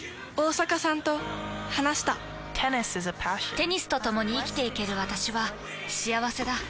テニスとともに生きていける私は幸せだ。